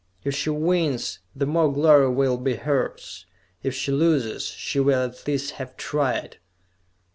If she wins, the more glory will be hers! If she loses, she will at least have tried!"